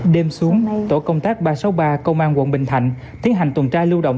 đêm xuống tổ công tác ba trăm sáu mươi ba công an quận bình thạnh tiến hành tuần tra lưu động